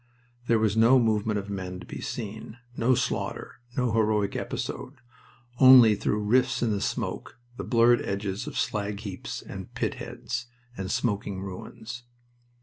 There was no movement of men to be seen, no slaughter, no heroic episode only through rifts in the smoke the blurred edges of slag heaps and pit heads, and smoking ruins.